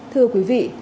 thưa quý vị